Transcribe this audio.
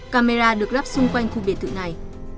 camera được lắp xung quanh khu biệt thự này